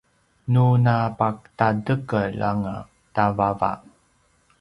nu napatatekel anga ta vava